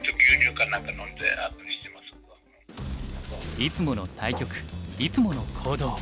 いつもの対局いつもの行動。